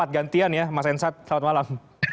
gantian ya mas hedri satrio selamat malam